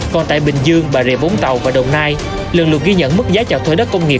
còn tại bình dương bà rịa vũng tàu và đồng nai lần lượt ghi nhận mức giá chọn thuê đất công nghiệp